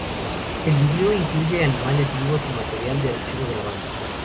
El video incluye animales vivos y material de archivo de la banda.